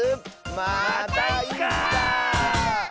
またいつか！